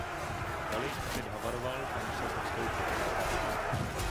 Galli opět havaroval a musel odstoupit.